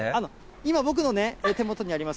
今、僕の手元にあります